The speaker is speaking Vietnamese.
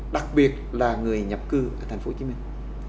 đặc biệt là người nhập cư ở thành phố hồ chí minh